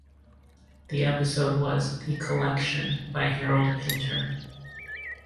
The episode was "The Collection" by Harold Pinter.